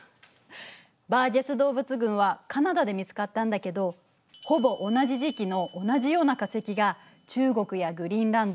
バージェス動物群はカナダで見つかったんだけどほぼ同じ時期の同じような化石が中国やグリーンランド